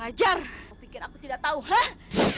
aku tidak tahu hah